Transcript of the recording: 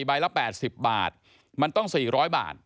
ใบละ๘๐บาทมันต้อง๔๐๐บาท